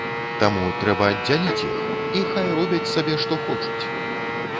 Таму трэба аддзяліць іх, і хай робяць сабе, што хочуць.